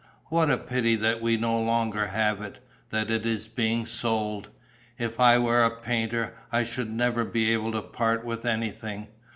What a pity that we no longer have it, that it is being sold! If I were a painter, I should never be able to part with anything.